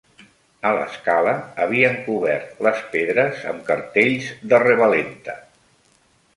A l'escala, havien cobert les pedres am cartells de revalenta